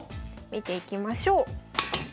見ていきましょう。